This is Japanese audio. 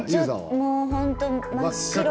もう本当真っ白で。